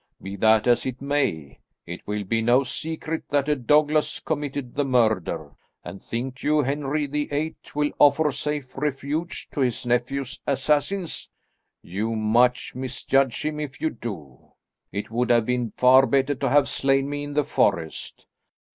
Be that as it may, it will be no secret that a Douglas committed the murder; and think you Henry VIII will offer safe refuge to his nephew's assassins? You much misjudge him if you do. It would have been far better to have slain me in the forest.